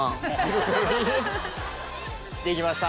できました！